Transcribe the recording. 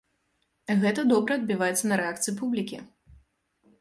Гэта добра адбіваецца на рэакцыі публікі!